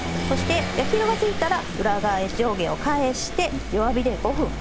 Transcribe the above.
そして焼き色がついたら上下を返して弱火で５分。